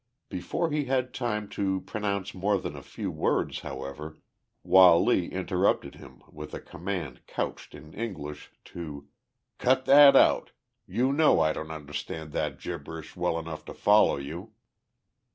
Before he had had time to pronounce more than a few words, however, Wah Lee interrupted him with a command couched in English to: "Cut that out! You know I don't understand that gibberish well enough to follow you."